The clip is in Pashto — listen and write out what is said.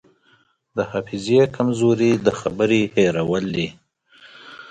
د حافظې کمزوري د خبرې هېرول دي.